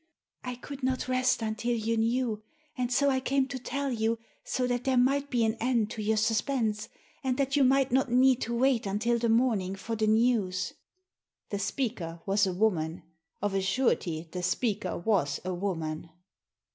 "I could not rest unless you knew, and so I came to tell you, so that there might be an end to your suspense, and that you might not need to wait until the morning for the news." Digitized by VjOOQIC $8 THE SEEN AND THE UNSEEN The speaker was a woman— of a surety, the speaker was a woman!